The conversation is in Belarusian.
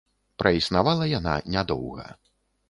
Праіснавала яна не доўга.